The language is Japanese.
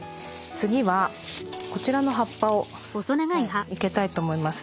次はこちらの葉っぱを生けたいと思います。